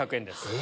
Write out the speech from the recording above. え⁉